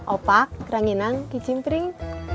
opak keranginan kicim pring